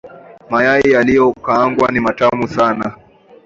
Mayai yaliyokaangwa ni matamu sana.